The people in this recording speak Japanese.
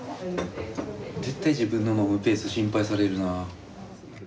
絶対自分の飲むペース心配されるな。